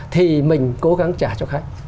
thì mình cố gắng trả cho khách